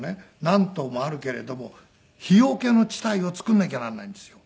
何棟もあるけれども火よけの地帯を作らなきゃならないんですよ。